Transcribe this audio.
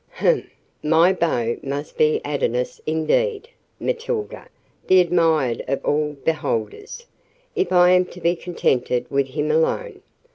"Humph! my beau must be an Adonis indeed, Matilda, the admired of all beholders, if I am to be contented with him alone.